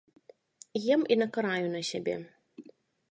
Ем і накараю на сябе.